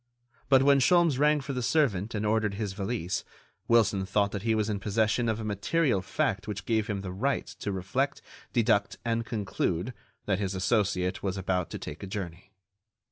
But when Sholmes rang for the servant and ordered his valise, Wilson thought that he was in possession of a material fact which gave him the right to reflect, deduct and conclude that his associate was about to take a journey.